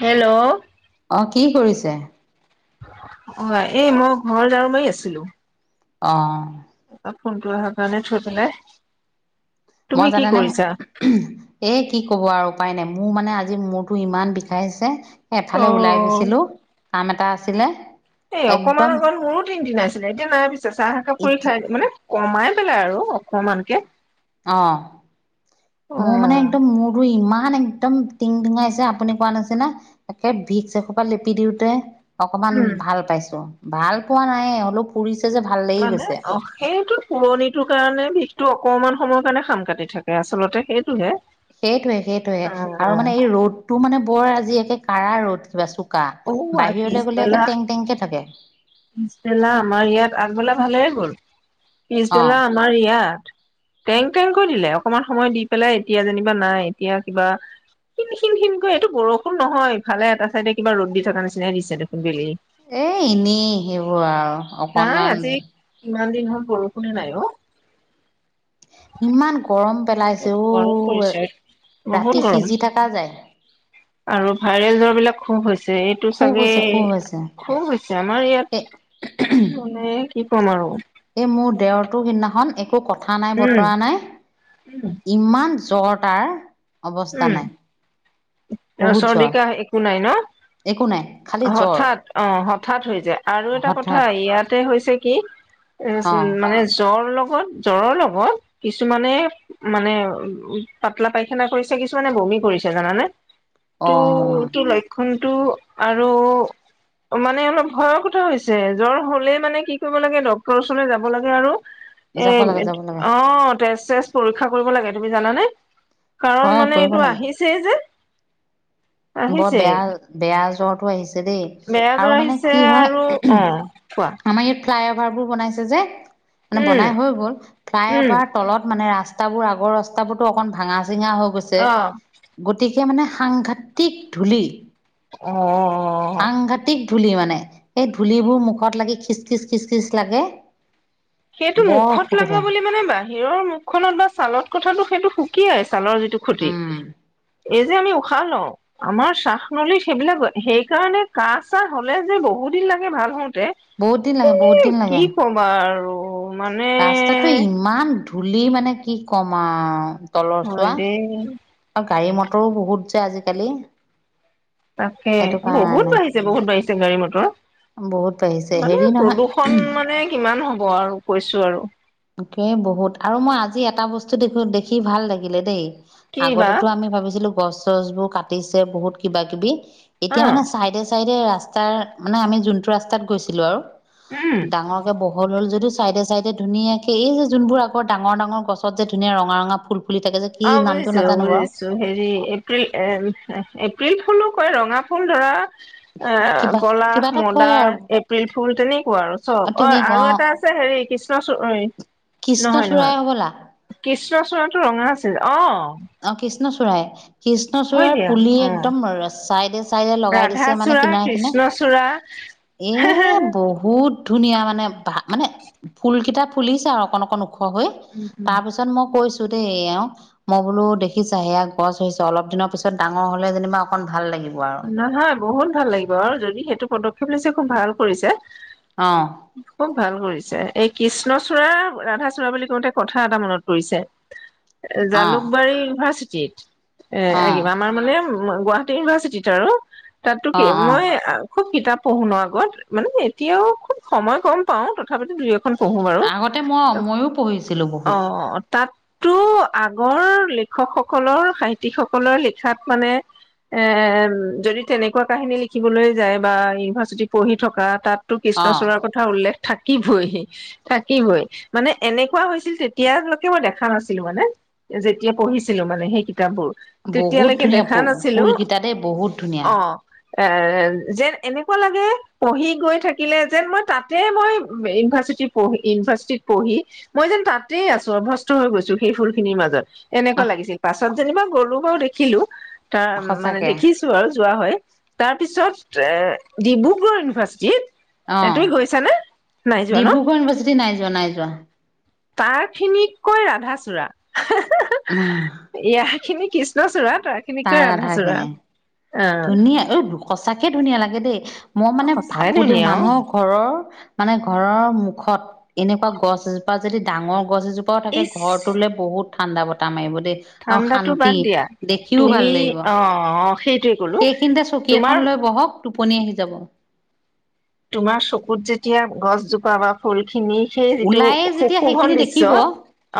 Hello অ' কি কৰিছে? অ' এই মই ঘৰ ঝাৰু মাৰি আছিলো। অ'। অ' ফোনটো অহাৰ কাৰণে থৈ পেলাই মই তুমি কি জানেনে কৰিছা এ কি কব আৰু উপায় নাই, মোৰ মানে আজি মুৰতো ইমান বিষাইছে এফালে ওলাই গৈছিলোঁ কাম এটা আছিলে। এ অকমান একদম অকমান মোৰো তিং তিঙাইছিলে, এতিয়া নাই পিছে চাহ একাপ কৰি খাই, মানে কমাই পেলাই আৰু অকমানকে। অ', অ মোৰ মানে একদম মুৰটো ইমান একদম তিং তিঙাইছে আপুনি কোৱা নাছিনা একে ভিক্স এসোপা লিপি দিওঁতে অকমান ভাল পাইছো, ভাল পোৱা নাই হলেওঁ পুৰিছে যে ভাল লাগি মানে গৈছে। অ' সেইটোত পোৰণিটোৰ কাৰণে বিষটো অকণমান সময়ৰ কাৰণে সাম কাটি থাকে আচলতে সেইটোহে। সেইটোৱেই সেইটোৱে, অ আৰু মানে এই ৰ'দটো মানে বৰ আজি একে কাঢ়া ৰ'দ কিবা চো কা। অ আই বাহিৰলৈ গ'লে একে পিছবেলা টেংক টেংকে থাকে। পিছবেলা আমাৰ ইয়াত, আগবেলা ভালেই গ'ল অ পিছবেলা আমাৰ ইয়াত টেংক টেংকৈ দিলে অকণমান সময় দি পেলাই এতিয়া যেনিবা নাই। এতিয়া কিবা কিন কিনকৈ এইটো বৰষুণ নহয়, ইফালে এটা চাইডে কিবা ৰ'দ দি থকা নিচিনাই দিছে দেখোন বেলি এ এনেই সেইবোৰ আৰু নাই অকনমান আজি ইমান দিন হ'ল বৰষুণে নাই অ'। ইমান গৰম পেলাইছে গৰম অ' পৰিছে বহুত ৰাতি গৰম সিজি থকা যায়। আৰু ভাইৰেল জ্বৰ বিলাক খুব হৈছে এই টো খুব চাগে হৈছে খুব হৈছে খুব হৈছে আমাৰ এ ইয়াত মানে কি ক'ম আৰু এই মোৰ দেওৰটো সেইদিনাখন একো কথা নাই উম বতৰা নাই ইমান জ্বৰ তাৰ অৱস্থা নাই। অ' বহুত চৰ্দি, জ্বৰ কাহ একো নাই ন'? একো নাই খালি জ্বৰ হঠাৎ অ' হঠাৎ হৈ যায় আৰু এটা কথা হঠাৎ ইয়াতে হৈছে কি উম, অ উম মানে জ্বৰ লগত জ্বৰৰ লগত কিছুমানে মানে উম, উম পাতলা পাইখানা কৰিছ ছে কিছুমানে বমি কৰিছে জানানে অ তো এইটো লক ক্ষণতো আৰু মানে অলপ ভয়ৰ কথা হৈছে জ্বৰ হলেই মানে কি কৰিব লাগে ডক্তৰৰ ওচৰলৈ যাব লাগে আৰু এ, যাব লাগে যাব লাগে অ' তেজ-চেছ পৰীক্ষা কৰিব লাগে তুমি জানা নে? কাৰণ হয় মানে কৰিব এইটো লাগে আহিছেই যে। বৰ আহিছে বেয়া, বেয়া জ্বৰটো আহিছে দেই। বেয়া জ্বৰ আৰু মানে আহিছে কি হয় আৰু অ কোৱা আমাৰ আমি ফ্লাই অভাৰ বোৰ বনাইছে যে মানে উম বনাই হৈ গ'ল ফ্লাই উম অভাৰ তলত মানে ৰাস্তাবোৰ আগৰ ৰাস্তাবোৰতো অকন ভাঙা-চিঙা হৈ গৈছে অ গতিকে মানে সাংঘাটিক ধূলি অ'অ' আংঘাটিক ধূলি মানে। এই ধূলিবোৰ মুখত লাগি খিচ, খিচ, খিচ, খিচ লাগে। সেইটো বৰ মুখত লগা অসুবিধা বুলি মানে বাহিৰৰ মুখখনত বা ছালত কথাটো সেইটো শুক কি [unintelligible] ছালৰ যিটো শতি উম এই যে আমি উশাহ লওঁ আমাৰ চাহ নলী সেইবিলাক সেই কাৰণে কাহ-চাহ হ'লে যে বহুত দিন লাগে ভাল হওঁতে বহুত দিন লাগে, বহুত দিন লাগে। বাৰু মানে ৰাস্তাটো ইমান ধূলি মানে কি ক'ম আও তলৰ চোৱা। উম, অ' গাড়ী-মটৰো বহুত যে আজিকালি। তাকে সেইটো বহুত কাৰণে বাঢ়িছে, বহুত বাঢ়িছে গাড়ী-মটৰ বহুত বাঢ়িছে মানে হেৰি নহয় প্ৰদূষ ষণ মানে কিমান হ'ব আৰু কৈছো আৰু। তাকে বহুত আৰু মই আজি এটা বস্তু দেখো দেখি ভাল লাগিলে দেই কি বা আগতেটো আমি ভাবিছিলোঁ গছ-চছ বোৰ কাটিছে বহুত কিবা-কিবি এতিয়া হা মানে চাইডে, চাইডে ৰাস্তাৰ মানে আমি যোনটো ৰাস্তাত গৈছিলোঁ আৰু উম ডাঙৰ কিবা বহল হ'ল যদিও চাইডে, চাইডে ধুনীয়া সেই এই যে যোনবোৰ আকৌ ডাঙৰ, ডাঙৰ গছত যে ধুনীয়া ৰঙা, ৰঙা ফুল ফুলি থাকে যে কি নামটো নাজানো বাৰু তো হেৰি এপ্ৰিল এ- এপ্ৰিল ফুলো কয় ৰঙা ফুল ধৰা। কিবা [unintelligible] কিবা পলাশ, এটা কয় মদাৰ আৰু এপ এপ্ৰিল ফুল তেনেকুৱা আৰু চ'ব অ' তেনেকুৱা আৰু অ এটা আছে হেৰি কৃষ্ণ চু নহয়, কৃষ্ণচূড়াই নহয় হ'বলা কৃষ্ণ চূৰাটো ৰঙা আছিল অ'। অ' কৃষ্ণ চুৰায়ে। হয় কৃষ্ণচূড়াৰ দিয়া পুলি অ একদম চাইডে, চাইডে লগাই দিছে মানে ৰাধাচূড়া কিনাৰে, কিনাৰে কৃষ্ণচূড়া এই বহু বহুত ধুনীয়া মানে ভা মানে ফুল কেইটা ফুলিছে আৰু অকন, অকণ ওখ হৈ উম উম তাৰ পিছ তাত মই কৈছো দেই এওক বোলো দেখিছা, এয়া গছ হৈছে অলপ দিনৰ পিছত ডাঙৰ হ'লে যেনিবা অকণ ভাললাগিব নহয় বহুত ভাল লাগিব, আৰু যদি সেইটো পদক্ষেপ লৈছে খুব ভাল কৰিছে। অঁ। খুব ভাল কৰিছে। এই কৃষ্ণচূড়া ৰাধাচূড়া বুলি কওঁতে কথা এটা মনত পৰিছে [inaudible] জালুকবাৰী ইউনিভাৰ্চিটিত, অ এ কিবা আমাৰ মানে গুৱাহাটী ইউনিভাৰ্চিটিত [unintelligible] তাতো অ কি অ মই খুব কিতাপ পঢ়ো ন আগত, মানে এতিয়াও খুব সময় কম পাও তথাপিতো দুই - এ খন পঢ়ো বাৰু। আগতে মই ময়ো পঢ়িছিলো অ বহুত তাত তো আগৰ লেখকসকলৰ সাহিত্যিকসকলৰ লিখাত মানে এ যদি তেনেকুৱা কাহিনী লিখিবলৈ যায় বা ইউনিভাৰ্চিটিত পঢ়ি থকা তাতো অ কৃষ্ণচুড়াৰ কথা কথা উল্লেখ থাকিবই থাকিবই। মানে এনেকুৱা হৈছিল তেতিয়ালৈকে মই দেখা নাছিলো মানে যেতিয়া পঢ়িছিলো মানে সেই কিতাপবোৰ, তেতিয়ালৈকে দেখা নাছিলো তাতে বহুত ধুনীয়া অ। এ যেন এনেকুৱা লাগে, পঢ়ি গৈ থাকিলে যেন মই তাতে মই ইউনিভাৰ্চিটিত পঢ়ি ইউনিভাৰ্চিটিত পঢ়ি, মই যেন তাতেই আছো অভ্যস্ত হৈ গৈছো সেই ফুল খিনিৰ মাজত অ এনেকুৱা লাগিছিল পাছত যেনিবা গলো বাৰু দেখিলো, তাৰ মানে সঁচাকে দেখি আৰু যোৱা হয়, তাৰপিছত এ ডিব্ৰুগড় ইউনিভাৰ্চিটিত এ তুমি অ গৈছানে? নাই যোৱা ন? ডিব্ৰুগড় ইউনিভাৰ্চিটি নাই যোৱা নাই যোৱা তাৰখিনিক কয় ৰাধাচূড়া। হেহেহে উম ইয়াৰখিনি কৃষ্ণচূড়া, তাৰখিনিক তাৰ কয় আধাৰ ৰাধাচূড়া। খিনি ধুনীয়া ঐ সঁচাকে ধুনীয়া লাগে দেই, মই অ মানে সঁচাই ভাবো দেই ধুনীয়া অ মানুহক ঘৰৰ মানে ঘৰৰ মুখত এনেকুৱা গছ এজোপা যদি ডাঙৰ গছ এজো পাও থাকে ইচ ঘৰটোলৈ বহুত ঠাণ্ডা বতাহ মাৰিব দেই। আৰু ঠাণ্ডাটো শান্তি, বাদ দিয়া দেখিও ভাল তুমি লাগিব। অ অ সেইটোয়ে কো সেইখিনিতে চকী এখন লৈ বহক, টোপনি আহি যাব। তোমাৰ চকুত যেতিয়া গছজোপা বা ফুল খিনি সেই যিটো ওলায়ে যেতিয়া সেইখিনি শুশোভন দেখিব দৃশ্য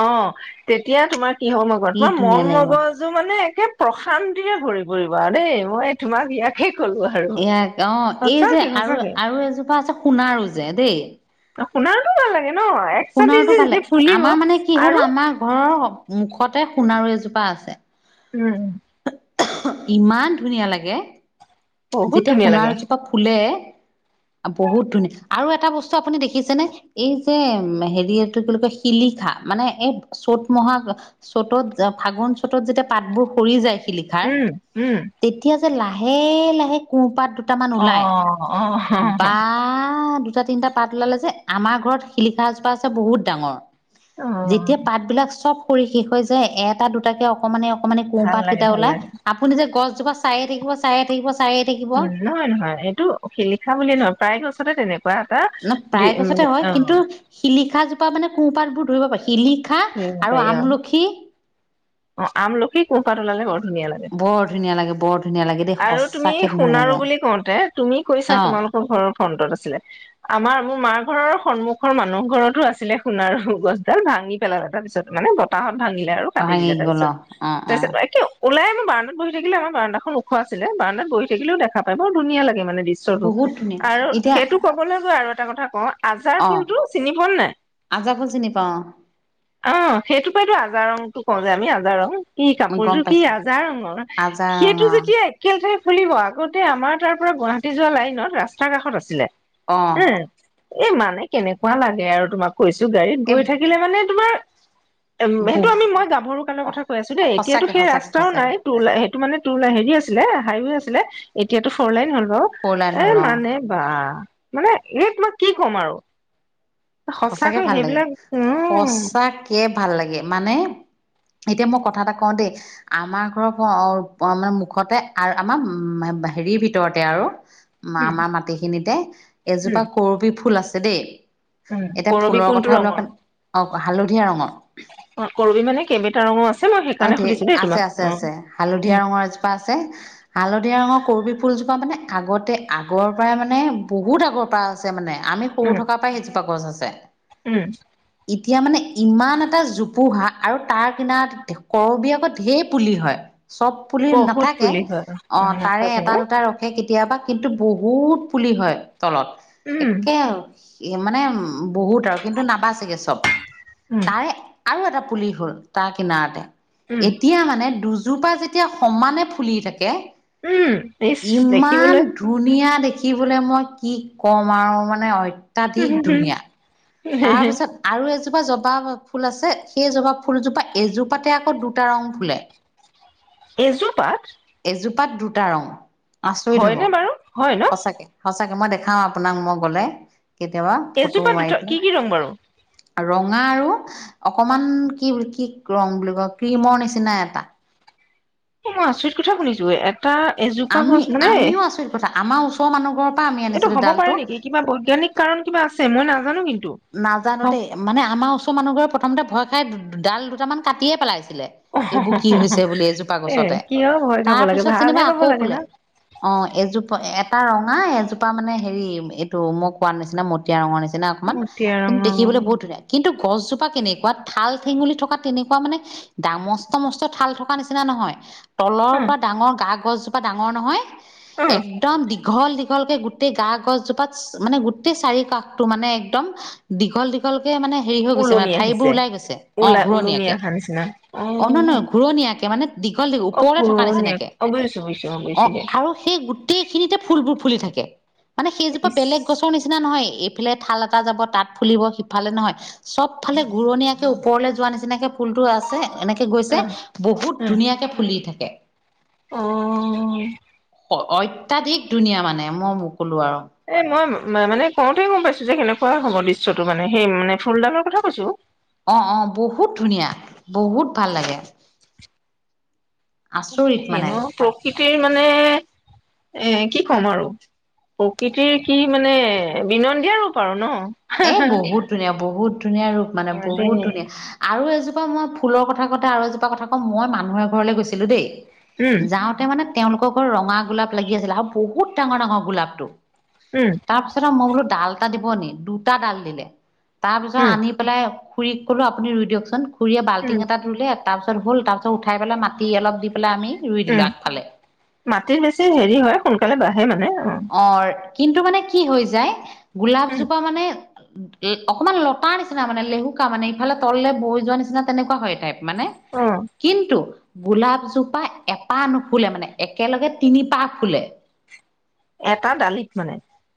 অহ, তেতিয়া তোমাৰ কি হয় মই কয় কি তোমাৰ ধুনীয়া মন লাগিব মগজ জু মানে একে প্ৰশান্তিৰে ভৰি পৰিব আৰু দেই, মই তোমাক ইয়াকে ক'লো আৰু এয়াক অ, এই যে সঁচাকে আৰু সঁচাকে -আৰু এজোপা আছে সোণাৰু যে দেই সোনাৰুটো ভাল লাগে নহয়। সোণাৰুটো ভাল লাগে। আমাৰ মানে কি হ'ল আৰু আমাৰ ঘৰৰ মুখতে সোণাৰু এজোপা আছে। উম। ইমান ধুনীয়া লাগে। বহুত যেতিয়া ধুনীয়া লাগে সোনাৰু জোপা ফুলে, বহুত ধুনীয়া আৰু এটা বস্ত আপুনি দেখিছেনে? এই যে হেৰি এইটো কি বুলি কয় শিলিখা মানে এই চ'ত মহা চ'তত, ফাগুন- চ'তত যেতিয়া পাতবোৰ সৰি যায় শিলিক উম উম। তেতিয়া যে লাহে লাহে কোপাত দুটামান অ ওলাই অ বা দুটা তিনিটা পাত ওলালে যে আমাৰ ঘৰত শিলিখা এজোপা আছে বহুত ডাঙৰ। অ যেতিয়া পাতবিলাক চব কৰি শেষ হয় যাই, এটা দুটাকে অকমানে অকমানে ভাল লাগে কোপাতকেইটা ভাল ওলাই লাগে আপুনি যে গছজোপা চায়ে থাকিব চায়ে থাকিব চায়ে থাকিব উম নহয় নহয় এইটো শিলিখা বুলিয়ে নহয়, প্ৰায় গছতে তেনে কোৱা এটা দি অ শিলিখা জোপা মানে কোহপাতবোৰ ধৰিব পাৰো, শিলিখা ধৰিব আৰু পাৰি অ আমলখি অ আমলখি কোহপাত ওলালে [unintelligible] ধুনীয়া লাগে। বৰ ধুনীয়া লাগে বৰ ধুনীয়া লাগে দেই আৰু তুমি সঁচাকে ধুনীয়া সোণাৰো লাগে বুলি কওঁতে তুমি কৈছা অ তোমালোক ঘৰৰ ফ্ৰণ্টত আছিলে। আমাৰ মোৰ মাৰ ঘৰৰ সন্মুখৰ মানুহ ঘৰতো আছিলে সোণাৰ গছডাল ভাঙি পেলালে তাৰপিছত। মানে বতাহত ভাঙিলে আৰু কাটি ভাঙি দিলে গল তাৰপিছত। অ অ অ তাৰপিছত [unintelligible] ওলাই মই বাৰান্দাত বহি থাকিলে আমাৰা বাৰান্দাখন ওখ আছিলে বাৰান্দাত বহি থাকিলও দেখা পায় বৰ ধুনীয়া লাগে দৃ শ্যটো, বহুত ধুনীয়া আৰু এতিয়া সেইটো কবলৈ গৈ আৰু এটা কথা কও আজাৰ অ ফুলটো চিনি পোৱা নে নাই? আজাৰ ফুল চিনি পাওঁ অ সেইটো পৰাইতো আজাৰ ৰংটো কওঁ যে আমি আজাৰ ৰং। কি মই কাপোৰ গম যোৰ কি পাইছো আজাৰ ৰঙৰ আজাৰ সেইটো ৰঙা যেতিয়াই [unintelligible] ফুলিব আগতে আমাৰ তাৰ পৰা গুৱাহাটী যোৱা লাইনত ৰাস্তাৰ কাষত আছিলে। অ এ এই মানে কেনেকুৱা লাগে আৰু তোমাক কৈছো গাড়ীত এই গৈ থাকিলে মানে তোমাৰ উম সেইটো বহু আমি মই গা সৰু কালৰ কথা কৈ আছো দেই। এতিয়াতো সঁচাকে সেই সঁচাকে ৰাস্তাও সঁচাকে নাই। তুলা সেইটো মানে তুলা হেৰি আছিল হাইৱে আছিলে এতিয়াটো ফ'ৰ লাইন হ'ল বাৰু ফ'ৰ লাইন হ'ল এ অ মানে বা মানে এই তোমাক কি কম আৰু। সঁচাকে সঁচাকৈ সেইবিলাক উম। একে ভাল মানে এতিয়া মই কথা এটা কওঁ দেই আমাৰ ঘৰৰ [unintelligible] মানে মুখতে আৰু আমাৰ উ হেৰিৰ ভিতৰতে আৰু। মা উম আমাৰ মাটিখিনিতে উম এজোপা কৰবী ফুল আছে দেই। উম, এতিয়া কৰবি ফুলৰ কোনটো কথা ৰঙৰ? ওলোৱা অ হালধীয়া ৰঙৰ। অ কৰবী মানে কেইবিটা ৰংঙো আছ অ ধেৰ আছে আছে আছে হালধীয়া উম, ৰঙৰ এজোপা আছে। হালধীয়া ৰঙৰ কৰবী ফুলজোপা মানে আগতে আগৰ পৰাই মানে বহুত আগৰ পৰা আছে মানে আমি সৰু উম, থকা পৰাই সেইজোপা গছ আছে। উম, এতিয়া মানে ইমান এটা জোপোহা আৰু তাৰ কিনাৰত দেখ কৰবী আকৌ ঢেৰ পুলি হয়, চব পুলি বহুত নাথাকে পুলি হয় অ তাৰে নাথাকে এটা ন? দুটা ৰ থাকে কেতিয়াবা কিন্তু বহুত পুলি হয় তলত উম, একে মানে বহুত আৰু কিন্তু নাবাচেগে চব। উম। তাৰে আৰু এটা পুলি হ'ল তাৰ কিনাৰতে। উম, এতিয়া মানে দুজোপা যেতিয়া সমানে ফুলি থাকে উম, ইচ ইমান দেখিবলৈ ধুনীয়া দেখিবলৈ মই কি ক'ম আৰু মানে অত্যাধিক ধুনীয়া। তাৰপিছত আৰু এজোপা জবা ফুল আছে সেই জবা ফুলজোপা এজোপাতে আকৌ দুটা ৰং ফুলে। [unintelligible] এজোপাত? এজোপাত দুটা ৰং আচৰিত হয়নে হব বাৰু হয় ন? সঁচাকে। সঁচাকে মই দেখাওঁ আপোনাক মই গ'লে কেতিয়াবা ফটো এজোপাত দুটা মাৰি কি পেলাই। কি ৰং বাৰু। ৰঙা আৰু অকমান কি বুলি কি ৰং বুলি কয় ক্ৰীমৰ নিচিনা এটা। এ মই আচৰিত কথা শুনিছো এটা এজোপা গছ মানে- কতা আমাৰ ওচৰৰ মানুহ ঘৰৰ পৰা আমি এইটো আনিছিলো হ'ব পাৰে ডালটো। নেকি কিবা বৈজ্ঞানিক- কাৰণ কিবা আছে মই নাজানো কিন্তু। নাজানো অ, দেই। মানে আমাৰ ওচৰ মানুহ ঘৰে প্ৰথমতে ভয় খাই ডাল দুটামান কাটিয়ে পেলাইছিলে। এইবোৰ কি হৈছে বুলি এজোপা এ গছতে, কিয় ভয় খাব তাৰ লাগে পিছত যেনিবা ভালহে পাব আকৌ লাগে ন? ফুলে। অঁ এজোপা এটা ৰঙা এজোপা মানে হেৰি এইটো মই কোৱাৰ নিচিনা মতিয়া ৰঙৰ নিচিনা- মান মটীয়া কিন্তু ৰঙৰ দেখিবলৈ বহুত ধুনীয়া, কিন্তু গছজোপা কেনেকুৱা ঠাল ঠেঙুলি থকা তেনেকুৱা মানে- ডাঙ মস্ত মস্ত ঠাল থকা নিচিনা নহয়। তলৰ উম, পৰা ডাঙৰ গা গছজোপা ডাঙৰ নহয়, উম, একদম দীঘল দী- দীঘলকে গোটেই গা গছজোপাত মানে গোটেই চাৰি কাষটো মানে একদম দীঘল দীঘ- ঘলকে মানে হেৰি হৈ গৈছে মানে ওলমি ঠাৰী বোৰ আহিছে ওলাই গৈছে, অঁ ওলাই ওলমি ঘূৰণিয়াকে। অহা নিচিনা অ নহয় নহয় ঘূৰণীয়াকে মানে- দীঘল দীঘ অ', ওপৰলে থকা ঘূৰণীয়েক নিচিনাকে, অ', বুজিছো বুজিছো অ', বুজিছো অঁ দিয়া আৰু- সেই গোটেই খিনিতে ফুলবোৰ ফুলি থাকে। মানে সেইজোপা ইচ বেলেগ গছৰ নিচিনা নহয়, এইফালে থাল- টা যাব তাত ফুলিব সিফালে নহয় চব ফালে ঘূৰণীয়াকে ওপৰলে যোৱা নিচিনাকে ফুলটো আছে। তাত- এনেকে গৈছে অ', বহুত ধুনীয়াকে‌ ফুলি থাকে। অঁঅ' অ' অত্যাধিক ধুনীয়া মানে মই মোকোলো আও। এই মই মানে কওঁতে গম পাইছো যে কেনেকুৱা হ'ব মানে সেই মানে ফুলদালৰ কথা কৈছো। অঁ অঁ বহুত ধুনীয়া বহুত ভাল লাগে। আচৰিত মানে। সিটোৱে মানে এঁ কি ক'ম আৰু? প্ৰকৃতিৰ কি মানে বিনন্দিয়া ৰূপ আৰু ন। এই বহুত ধুনীয়া বহুত ধুনীয়া ৰূপ মানে অ', বহুত দেই, ধুনীয়া। আৰু এজোপা মই ফুলৰ কথা কওঁতে আৰু এজোপা কথা কওঁ মই মানুহৰ ঘৰলে গৈছিলো দেই। উম, যাওঁ- তে মানে তেওঁলোকৰ ঘৰত ৰঙা গোলাপ লাগি আছিলে আৰু বহুত ডাঙৰ ডাঙৰ গোলাপটো। উম' তাৰপিছত আও মই বোলো ডাল এটা দিব নি? দুটা ডাল দিলে, তাৰ পিছত উম, আনি পেলাই- খুৰীক কলোঁ আপুনি ৰুই দিয়কচোন, খুৰীয়ে উম, বাল্টিং এটাত ৰুলে- তাৰপিছত হ'ল তাৰপাছত উঠাইপেলাই মাটি অলপ দি পেলাই আমি ৰুই উম, দিলোঁ আগফালে। মাটিত বেছি হেৰি হয়, সোনকালে বাঢ়ে মানে অঁ। অঁ কিন্তু মানে কি হৈ যায়? উম, গোলাপজোপা মানে- অকমান লতা নিচিনা মানে লেহুকা মানে ইফালে তললে বৈ যোৱা নিচিনা তেনেকুৱা হয় টাইপ মানে। অঁ' কিন্তু গোলাপজোপা এপাহ নুফুলে মানে একেলগে তিনি পাহ ফুলে। এটা দালিত মানে।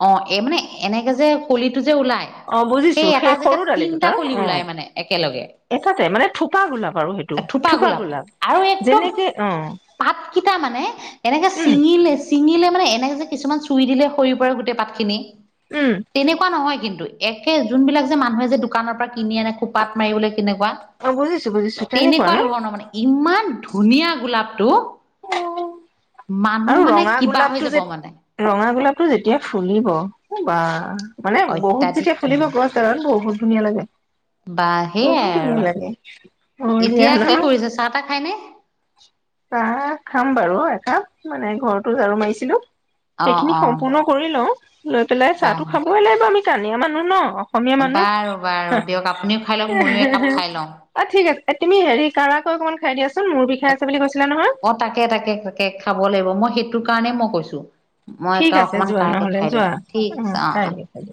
অঁ এই মানে এনেকে যে কলিটো যে ওলাই- অ বুজিছো সেই এটা সৰু জেগাত দালি তিনটা দুটাৰ কলি অ ওলাই মানে একেলগে। এটাতে মানে থোপা গোলাপ আৰু সেইটো থোপা গোলাপ। যেনেকে অঁ- পাতকিটা মানে এনেকে চিঙিলে- চিঙিলে মানে এনেকে যে কিছুমান চুই দিলে সৰি পৰে গোটেই পাতখিনি। উম। তেনেকুৱা নহয় কিন্তু, একে যোনবিলাক যে মানুহে যে দোকানৰ পৰা কিনি আনে খুব। পাত মাৰিবলৈ কেনেকুৱা, অ বুজিছো বুজিছো তেনেকুৱা ন ধৰণৰ মানে। ইমান ধুনীয়া গোলাপটো। অ মানুহ আৰু মানে ৰঙা কিবা হৈ গোলাপটো যাব যে মানে। ৰঙা গোলাপটো যেতিয়া ফুলিব, অ', বাহ। মানে, বহুত অত্যাধিক যেতিয়া খুলিব ধুনীয়া গছ ডালত বহুত ধুনীয়া লাগে। বা সেইয়াই বহুত ধুনীয়া আৰু লাগে, এতিয়া [unintelligible] ন? কি কৰিছে চাহ তাহ খাইনে চাহ খাম বাৰু একাপ, মানে ঘৰতো ঝাৰু মাৰিছিলোঁ। অ সেইখিনি অ সম্পূৰ্ণ কৰি লওঁ, লৈ পেলাই বা চাহটো খাবই লাগিব, আমি কানিয়া মানুহ ন? অসমীয়া মানুহ বাৰু, বাৰু দিয়ক, আপুনিও খাই লওঁক, ময়ো একাপ খাই লওঁ। অ', ঠিক আছে, তুমি হেৰি কাৰাকৈ অকনমান খাই দিয়াচোন, মোৰ বিষাই আছে বুলি কৈছিলা নহয়। অ', তাকে-তাকে-তাকে খাব লাগিব, মই সেইটো কাৰণেই মই কৈছোঁ। মই ঠিক এতিয়া আছে অকমান যোৱা কাৰাকে নহলে খাই লওঁ, যোৱা ঠিক আছে, অ', খাই অ'। দিয়া খাই দিয়া